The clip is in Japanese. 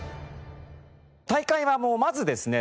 大会はまずですね